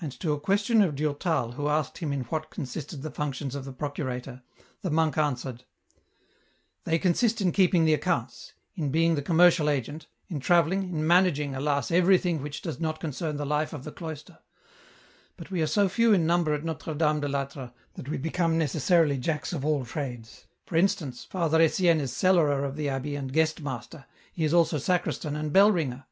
And to a question of Durtal who asked him in what con sisted the functions of procurator, the monk answered, " They consist in keeping the accounts, in being the commercial agent, in travelling, in managing, alas ! every thing which does not concern the life of the cloister ; but we are so few in number at Notre Dame de I'Atre, that we become necessarily Jacks of all trades . For instance, Father Etienne is cellarer of the Abbey and guest master, he is EN ROUTE. 309 also sacristan and bell ringer.